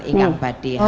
ingat badi hamat tuwi